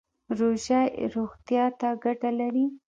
روژه روغتیا ته ګټه لري